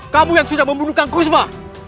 kamu yang sudah membunuh kang kusma